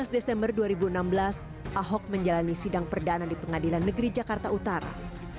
tujuh belas desember dua ribu enam belas ahok menjalani sidang perdana di pengadilan negeri jakarta utara